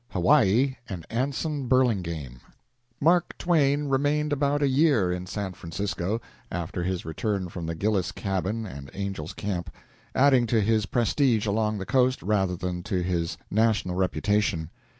HAWAII AND ANSON BURLINGAME Mark Twain remained about a year in San Francisco after his return from the Gillis cabin and Angel's Camp, adding to his prestige along the Coast rather than to his national reputation.